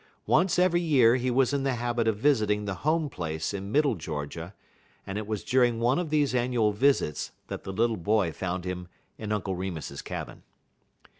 Once every year he was in the habit of visiting the Home Place in Middle Georgia, and it was during one of these annual visits that the little boy found him in Uncle Remus's cabin.